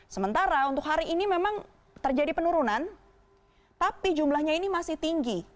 sementara untuk hari ini memang terjadi penurunan tapi jumlahnya ini masih tinggi